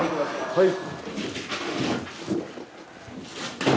はい。